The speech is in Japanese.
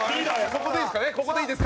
ここでいいですか？